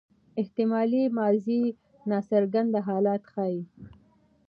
احتمالي ماضي ناڅرګند حالت ښيي.